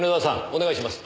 お願いします。